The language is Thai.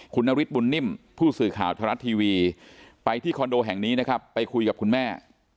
คุณนฤทธบุญนิ่มผู้สื่อข่าวทรัฐทีวีไปที่คอนโดแห่งนี้นะครับไปคุยกับคุณแม่